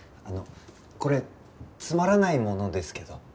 あのこれつまらないものですけど。